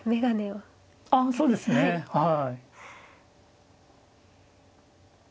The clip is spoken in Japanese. アハハそうですねはい。